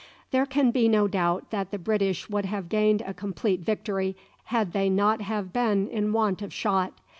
There can be no doubt that the British would have gained a complete victory had they not have been in want of shot.